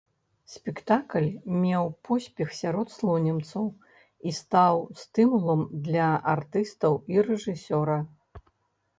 Спектакль меў поспех сярод слонімцаў і стаў стымулам для артыстаў і рэжысёра.